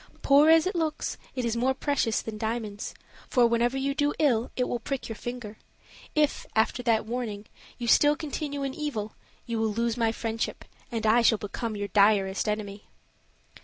"Poor as it looks, it is more precious than diamonds; for whenever you do ill it will prick your finger. If, after that warning, you still continue in evil, you will lose my friendship, and I shall become your direst enemy."'